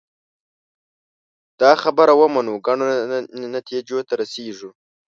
دا خبره ومنو ګڼو نتیجو ته رسېږو